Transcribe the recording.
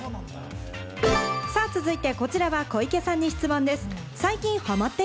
続いては小池さんに質問です。